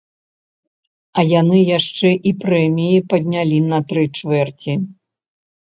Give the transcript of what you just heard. А яны яшчэ і прэміі паднялі на тры чвэрці!